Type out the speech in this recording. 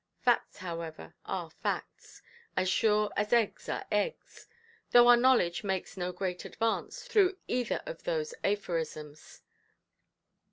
Facts, however, are facts, as sure as eggs are eggs; though our knowledge makes no great advance through either of those aphorisms.